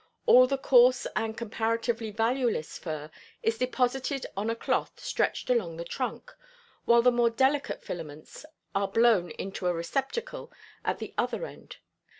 All the coarse and comparatively valueless fur is deposited on a cloth stretched along the trunk, while the more delicate filaments are blown into a receptacle at the other end.